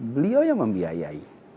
beliau yang membiayai